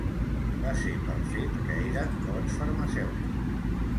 Va ser pel fet que eren bons farmacèutics.